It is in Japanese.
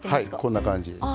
こんな感じ。